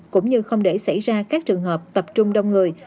cũng như không để xảy ra các trường hợp tập trung đông người